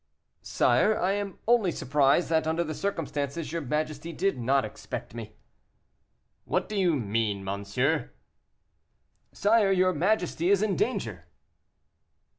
"Sire, I am only surprised that, under the circumstances, your majesty did not expect me." "What do you mean, monsieur?" "Sire, your majesty is in danger."